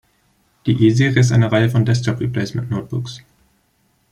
Die "E-Serie" ist eine Reihe von Desktop-Replacement-Notebooks.